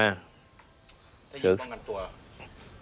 ถ้ายิงป้องกันตัว